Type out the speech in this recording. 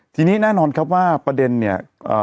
ทีนี้แน่นอนครับว่าประเด็นเนี่ย